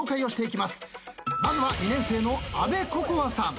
まずは２年生の安部心茜さん。